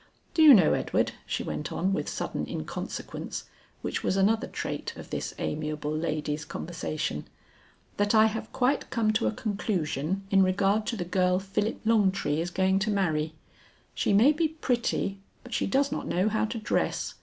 Do you know, Edward," she went on with sudden inconsequence, which was another trait of this amiable lady's conversation, "that I have quite come to a conclusion in regard to the girl Philip Longtree is going to marry; she may be pretty, but she does not know how to dress.